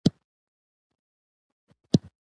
افغانستان ته جهاد لپاره ولاړ شم.